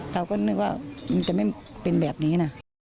เราก็นึกว่ามันจะไม่เป็นแบบนี้นะ